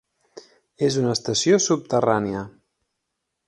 És una estació subterrània.